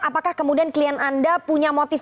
apakah kemudian klien anda punya motif